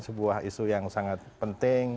sebuah isu yang sangat penting